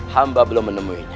hamba belum menemuinya